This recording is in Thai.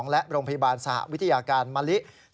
และโรงพยาบาลสหวิทยาการมะลิ